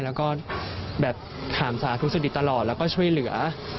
แล้วก็แบบถามสาธุสดิตลอดแล้วก็ช่วยเหลือ